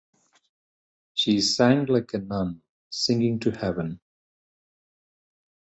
She sang like a nun singing to heaven.